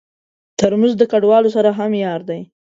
ترموز د کډوالو سره هم یار دی.